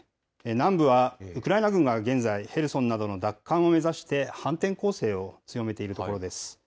南部はウクライナ軍は現在、ヘルソンなどの奪還を目指して、反転攻勢を強めている所です。